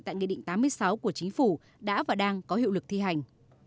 tại nghị định tám mươi sáu của chính phủ đã và đang có hiệu lực thi hành